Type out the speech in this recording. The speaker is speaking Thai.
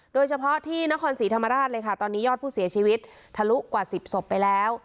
โดยเฉพาะที่นครศรีธรรมราชเลยค่ะตอนนี้ยอดผู้เสียชีวิตทะลุกว่า๑๐ศพไปแล้ว